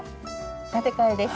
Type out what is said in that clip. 建て替えです。